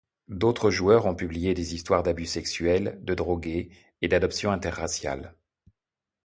D'autres joueurs ont publié des histoires d'abus sexuels, de drogués, et d'adoption interraciales.